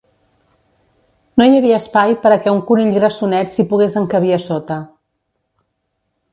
No hi havia espai per a què un conill grassonet s'hi pogués encabir a sota.